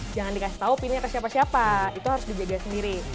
jangan dikasih tahu pilihnya ke siapa siapa itu harus dijaga sendiri